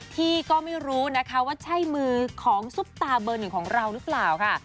ที่ก็ไม่รู้นะคะว่าใช่มือของซุปตาเบอร์หนึ่งของเราหรือเปล่าค่ะ